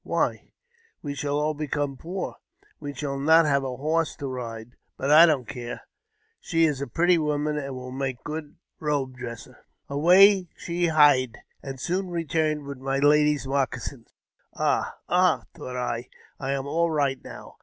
Why, we shall all become poor ! We shall not have a horse to ride. But I don't care ; she is a pretty woman, and will make a good robe dresser." Away she hied, and soon returned with my lady's moccasins. Ah, ah ! thought I, I am all right now